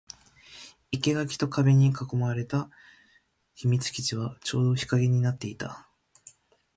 生垣と壁に囲われた秘密基地はちょうど日陰になっていた